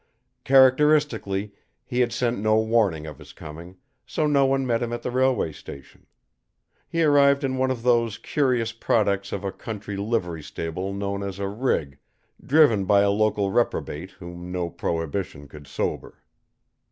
Characteristically, he had sent no warning of his coming, so no one met him at the railway station. He arrived in one of those curious products of a country livery stable known as a rig, driven by a local reprobate whom no prohibition could sober.